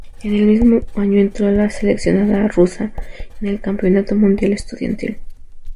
En el mismo año entró a la Seleccionada rusa en el Campeonato mundial estudiantil.